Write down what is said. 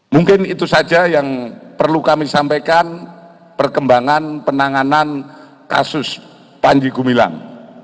mungkin itu saja yang perlu kami sampaikan perkembangan penanganan kasus panji gumilang